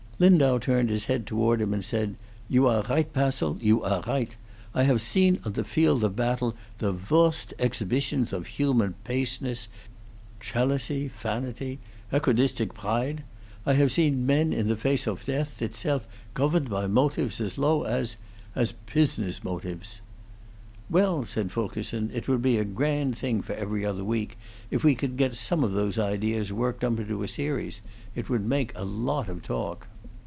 Lindau turned his head toward him and said: "You are righdt, Passil; you are righdt. I haf zeen on the fieldt of pattle the voarst eggsipitions of human paseness chelousy, fanity, ecodistic bridte. I haf zeen men in the face off death itself gofferned by motifes as low as as pusiness motifes." "Well," said Fulkerson, "it would be a grand thing for 'Every Other Week' if we could get some of those ideas worked up into a series. It would make a lot of talk."